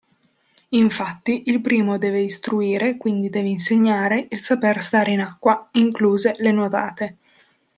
Infatti, il primo deve istruire quindi deve insegnare il saper stare in acqua, incluse le nuotate.